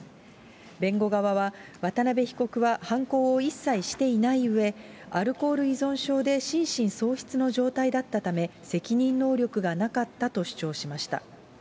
弁護側は、渡部被告は犯行を一切していないうえ、アルコール依存症で心神喪失の状態だったため、責任能力がなかったと主張しました。